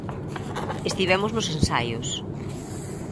Estivemos nos ensaios.